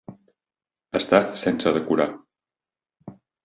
Està sense decorar.